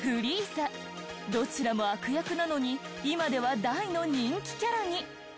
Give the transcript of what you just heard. どちらも悪役なのに今では大の人気キャラに。